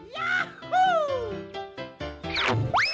ย้าหู้